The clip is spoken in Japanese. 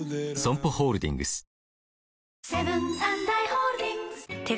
ＳＯＭＰＯホールディングス